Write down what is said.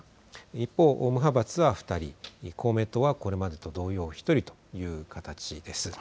一方、無派閥は２人、公明党はこれまでと同様、１人という形です。